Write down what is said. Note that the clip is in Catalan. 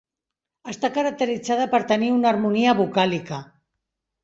Està caracteritzada per tenir una harmonia vocàlica.